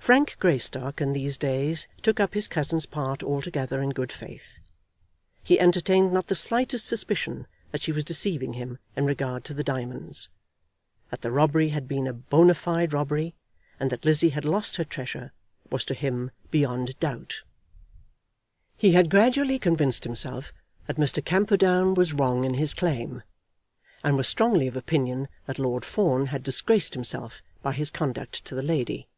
Frank Greystock in these days took up his cousin's part altogether in good faith. He entertained not the slightest suspicion that she was deceiving him in regard to the diamonds. That the robbery had been a bona fide robbery, and that Lizzie had lost her treasure, was to him beyond doubt. He had gradually convinced himself that Mr. Camperdown was wrong in his claim, and was strongly of opinion that Lord Fawn had disgraced himself by his conduct to the lady.